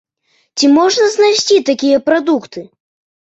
Ці можна знайсці такія прадукты?